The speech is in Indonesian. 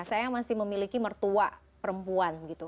saya masih memiliki mertua perempuan gitu